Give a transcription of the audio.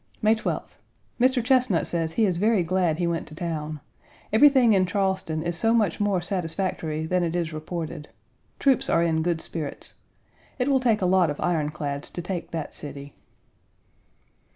May 12th. Mr. Chesnut says he is very glad he went to town. Everything in Charleston is so much more satisfactory than it is reported. Troops are in good spirits. It will take a lot of iron clads to take that city.